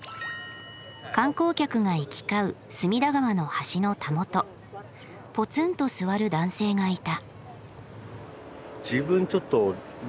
観光客が行き交う隅田川の橋のたもとぽつんと座る男性がいた。